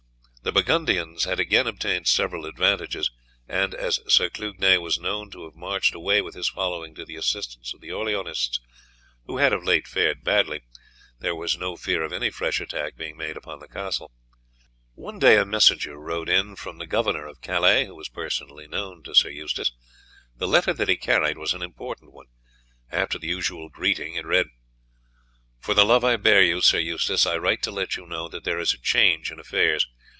The Burgundians had again obtained several advantages, and as Sir Clugnet was known to have marched away with his following to the assistance of the Orleanists, who had of late fared badly, there was no fear of any fresh attack being made upon the castle. One day a messenger rode in from the Governor of Calais, who was personally known to Sir Eustace. The letter that he carried was an important one. After the usual greeting it read: _For the love I bear you, Sir Eustace, I write to let you know that there is a change in affairs.